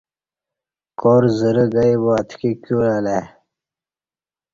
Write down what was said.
کارزرہ گئی با اتکی کیور الہ ای